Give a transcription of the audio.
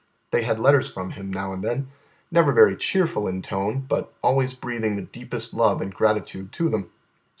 They had letters from him now and then, never very cheerful in tone, but always breathing the deepest love and gratitude to them.